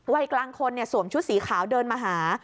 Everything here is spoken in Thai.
วัยกลางคนสวมชุดสีขาวเดินมาหา